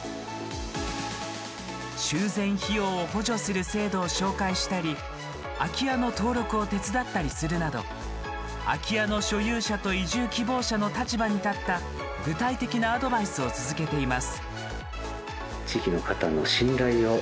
修繕費用を補助する制度を紹介したり空き家の登録を手伝ったりするなど空き家の所有者と移住希望者の立場に立った具体的なアドバイスを続けています。